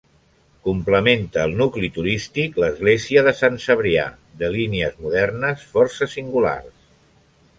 Complementa el nucli turístic l'església de Sant Cebrià, de línies modernes força singulars.